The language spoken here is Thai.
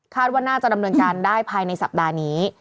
ว่าน่าจะดำเนินการได้ภายในสัปดาห์นี้